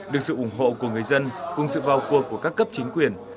được sự ủng hộ của người dân cùng sự vào cuộc của các cấp chính quyền